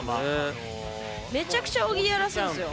めちゃくちゃ大喜利やらすんすよ。